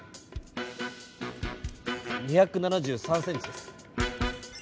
２７３ｃｍです。